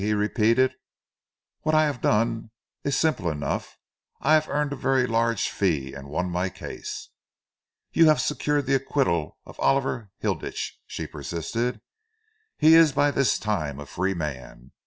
he repeated. "What I have done is simple enough. I have earned a very large fee and won my case." "You have secured the acquittal of Oliver Hilditch," she persisted. "He is by this time a free man.